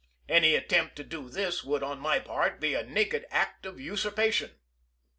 Any at tempt to do this would, on my part, be a naked act of usurpation.